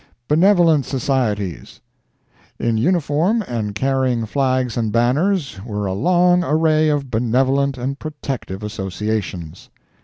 BENEVOLENT SOCIETIES.—In uniform, and carrying flags and banners, were a long array of Benevolent and Protective Associations...